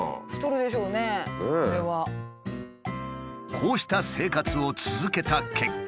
こうした生活を続けた結果。